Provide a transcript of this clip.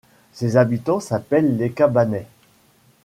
Ses habitants s'appellent les Cabannais.